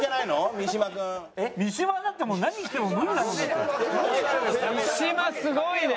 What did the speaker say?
三島すごいね。